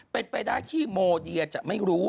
เป็นไปได้ที่โมเดียจะไม่รู้